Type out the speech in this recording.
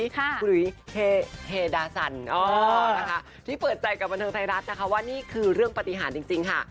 คุณหลุยเฮดาสันนะคะที่เปิดใจกับบันเทิงไทยรัฐนะคะว่านี่คือเรื่องปฏิหารจริงค่ะ